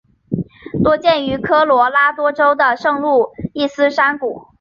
多见于科罗拉多州的圣路易斯山谷。